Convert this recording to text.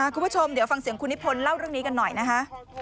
คุณผู้ชมเดี๋ยวฟังเสียงคุณนิพนธ์เล่าเรื่องนี้กันหน่อยนะคะ